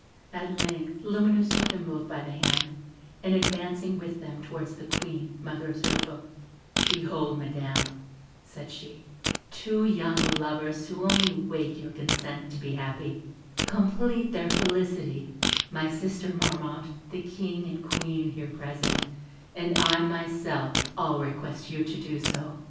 At length, Lumineuse took them both by the hand, and advancing with them towards the Queen, mother of Zirphil: "Behold, Madam," said she, "two young lovers who only wait your consent to be happy: complete their felicity; my sister Marmotte, the King and Queen, here present, and I myself, all request you to do so."